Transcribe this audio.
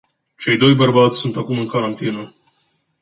Cei doi bărbați sunt acum în carantină.